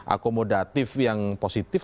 akomodatif yang positif